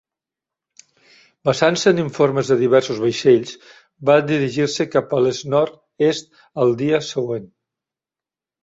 Basant-se en informes de diversos vaixells, va dirigir-se cap a l'est-nord-est al dia següent.